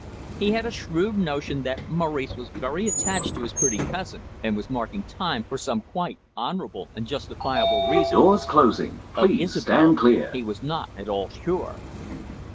He had a shrewd notion that Maurice was very attached to his pretty cousin, and was marking time for some quite honourable and justifiable reasons. Of Isobel he was not at all sure.